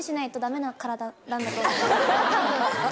多分。